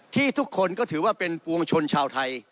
ที่ทุกคนก็ถือว่าเป็นปวงชนชาวไทย